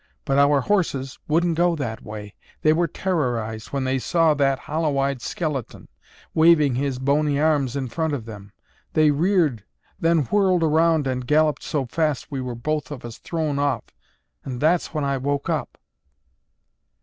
But our horses wouldn't go that way, they were terrorized when they saw that hollow eyed skeleton, waving his bony arms in front of them. They reared—then whirled around and galloped so fast we were both of us thrown off and that's when I woke up."